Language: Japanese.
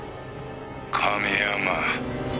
亀山！」